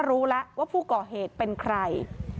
รู้แล้วว่าผู้ก่อเหตุเป็นใคร